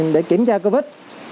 để kiểm tra covid một mươi chín